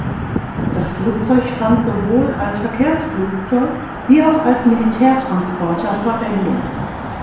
Das Flugzeug fand sowohl als Verkehrsflugzeug wie auch als Militärtransporter Verwendung.